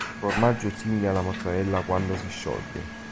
Formaggio simile alla mozzarella quando si scioglie.